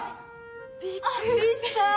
びっくりした！